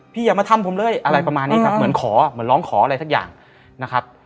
อย่ามาทำผมเลยอะไรประมาณนี้ครับเหมือนขอเหมือนร้องขออะไรสักอย่างนะครับ